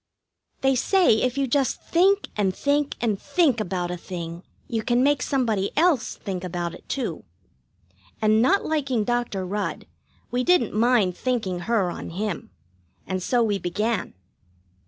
They say if you just think and think and think about a thing you can make somebody else think about it, too. And not liking Dr. Rudd, we didn't mind thinking her on him, and so we began.